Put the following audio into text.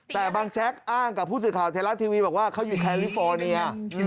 แต่บางแจ๊กอ้างกับผู้สื่อข่าวไทยรัฐทีวีบอกว่าเขาอยู่แคลิฟอร์เนีย